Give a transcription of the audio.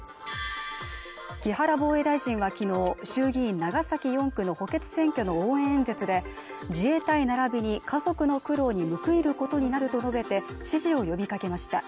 木原防衛大臣はきのう衆議院長崎４区の補欠選挙の応援演説で自衛隊並びに家族の苦労に報いることになると述べて支持を呼びかけました